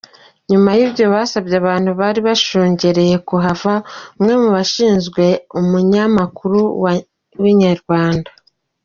Nyuma nibwo basabye abantu bari bashungereye kuhava, umwe mu bashinzwe umunyamakuru wa Inyarwanda.